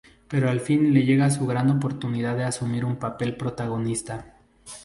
Pero al fin le llega su gran oportunidad de asumir un papel protagonista.